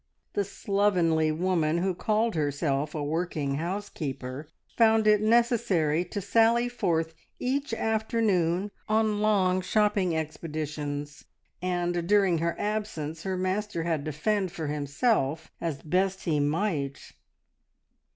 The slovenly woman who called herself a working housekeeper found it necessary to sally forth each afternoon on long shopping expeditions, and during her absence her master had to fend for himself as best he might.